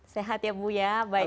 sehat ya bu ya baik